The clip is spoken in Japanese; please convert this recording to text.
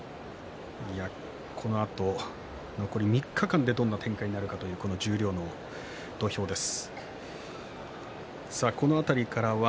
残り３日間でどういう展開になるかという十両の土俵です。